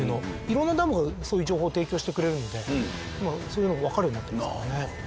色んなダムがそういう情報を提供してくれるので今そういうのがわかるようになってますね。